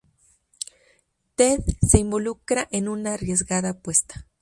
Ted se involucra en una arriesgada apuesta.